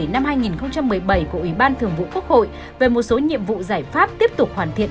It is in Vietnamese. bốn trăm ba mươi bảy năm hai nghìn một mươi bảy của ủy ban thường vụ quốc hội về một số nhiệm vụ giải pháp tiếp tục hoàn thiện